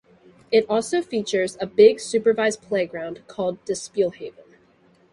It also features a big supervised playground called De Speelhaven.